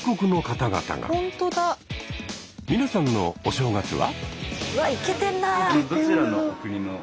皆さんのお正月は？